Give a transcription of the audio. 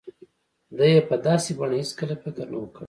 ده يې په داسې بڼه هېڅکله فکر نه و کړی.